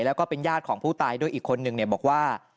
แล้วก็เป็นญาติของผู้ตายด้วยอีกคนนึงเนี่ยบอกว่า